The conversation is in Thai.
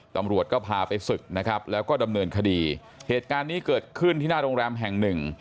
ตำรวจก็พาไปศึกนะครับแล้วก็ดำเนินคดีเหตุการณ์นี้เกิดขึ้นที่หน้าโรงแรมแห่งหนึ่ง